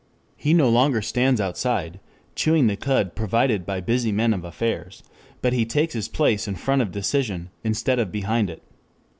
He no longer stands outside, chewing the cud provided by busy men of affairs, but he takes his place in front of decision instead of behind it.